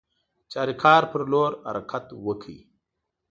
چاریکار پر لور حرکت وکړ.